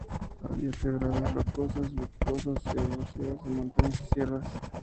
Habita en quebradas rocosas, boscosas o arbustivas, de montañas y sierras.